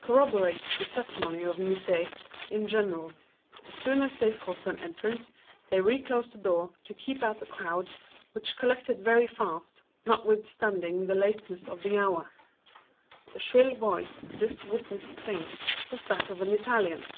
Corroborates the testimony of Musèt in general. As soon as they forced an entrance, they reclosed the door, to keep out the crowd, which collected very fast, notwithstanding the lateness of the hour. The shrill voice, this witness thinks, was that of an Italian.